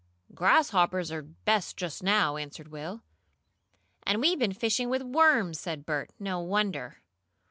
"Grasshoppers are best just now," answered Will. "And we've been fishing with worms!" said Bert. "No wonder!"